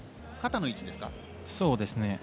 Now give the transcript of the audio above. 肩の位置ですか？